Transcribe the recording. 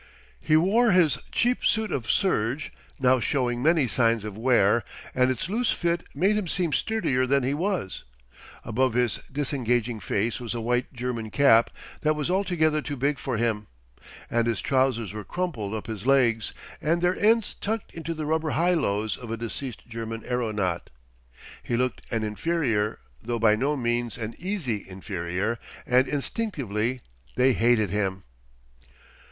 He wore his cheap suit of serge, now showing many signs of wear, and its loose fit made him seem sturdier than he was; above his disengaging face was a white German cap that was altogether too big for him, and his trousers were crumpled up his legs and their ends tucked into the rubber highlows of a deceased German aeronaut. He looked an inferior, though by no means an easy inferior, and instinctively they hated him.